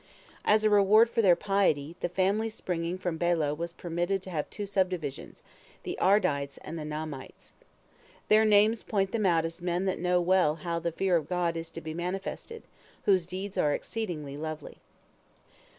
As a reward for their piety, the family springing from Bela was permitted to have two subdivisions, the Ardites and the Naamites. Their names point them out as men that know well how the fear of God is to be manifested, whose deeds are exceedingly lovely.